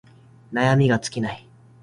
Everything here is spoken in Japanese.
悩みが尽きない